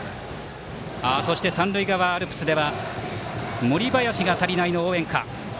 そして三塁側アルプスでは「森林が足りない」の応援歌。